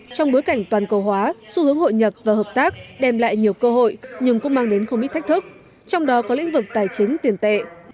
trong bối cảnh toàn cầu hóa xu hướng hội nhập và hợp tác đem lại nhiều cơ hội nhưng cũng mang đến không ít thách thức trong đó có lĩnh vực tài chính tiền tệ